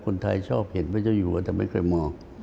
คนไทยชอบเห็นพระเจ้าอยู่แต่ไม่เคยมอง